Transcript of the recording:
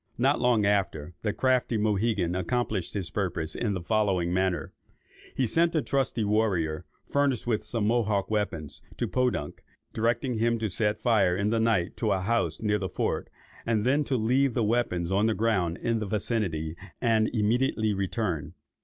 Not long after, the crafty Mohegan accomplished his purpose in the following manner. He sent a trusty warrior, furnished with some Mohawk weapons, to Podunk, directing him to set fire in the night to a house near the fort, and then to leave the weapons on the ground in the vicinity, and immediately return.